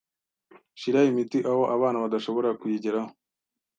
Shira imiti aho abana badashobora kuyigeraho.